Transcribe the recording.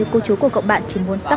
mà sao lại qua